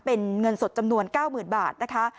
เป็นเงินสดจำนวน๙๐๐๐บาทนะคะ